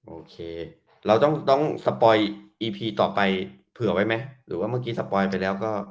โอเคเราต้องต้องต่อไปเผื่อไว้ไหมหรือว่าเมื่อกี้ไปแล้วก็